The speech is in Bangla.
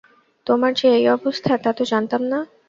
তোমার যে এই অবস্থা, তা তো জানতাম না।